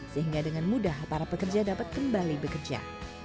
sehingga dengan mudah para pekerja dapat kembali bekerja